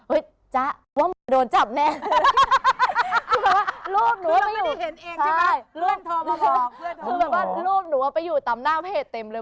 โอ้ยจ๊ะว่าโดนจับแน่รูปหนูว่าไปอยู่ตามหน้าเพจเต็มเลย